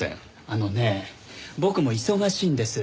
あのねえ僕も忙しいんです。